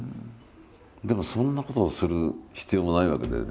でもそんなことをする必要もないわけだよね。